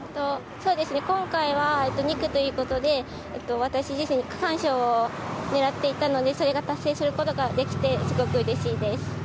今回は２区ということで私自身区間賞を狙っていたのでそれが達成することができて、すごくうれしいです。